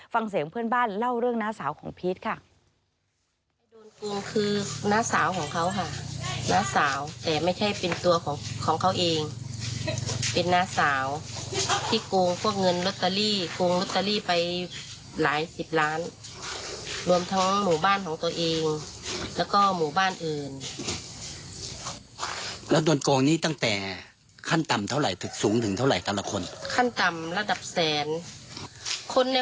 ฟังเสียงเพื่อนบ้านเล่าเรื่องน้าสาวของพีชค่ะ